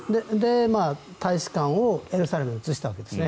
大使館をエルサレムに移したわけですね。